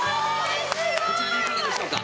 こちらでいかがでしょうか？